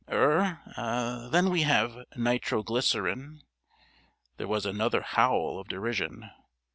Er then we have Nitro glycerine." There was another howl of derision.